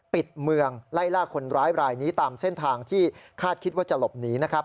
ปิดเมืองไล่ล่าคนร้ายรายนี้ตามเส้นทางที่คาดคิดว่าจะหลบหนีนะครับ